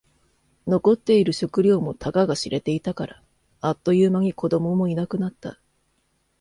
残っている食料もたかが知れていたから。あっという間に子供もいなくなった。